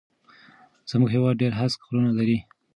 زموږ هيواد ډېر هسک غرونه لري